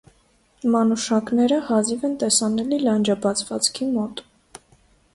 Մանուշակները հազիվ են տեսանելի լանջաբացվածքի մոտ։